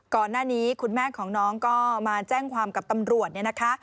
ก่อนหน้านี้คุณแม่ของน้องก็มาแจ้งความกับตำรวจเนี่ยนะคะ